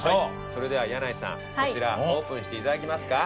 それでは箭内さんこちらオープンしていただきますか？